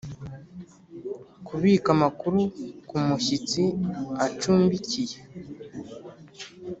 Kubika amakuru ku mushyitsi acumbikiye